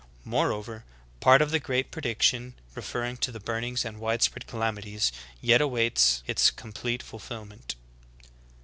Moreover, part of the great prediction, referring to the burnings and wide spread calamities,' yet awaits its com plete fulfilment.